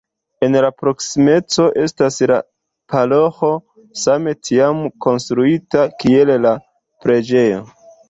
En la proksimeco estas la paroĥo, same tiam konstruita, kiel la preĝejo.